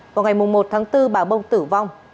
vào ngày một tháng bốn bà bông tử vong